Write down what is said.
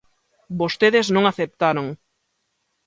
Vostedes non aceptaron.